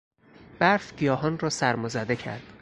برف گیاهان را سرمازده کرد.